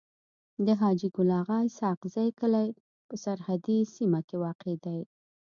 د حاجي ګل اغا اسحق زی کلی په سرحدي سيمه کي واقع دی.